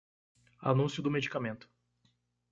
Anúncio do medicamento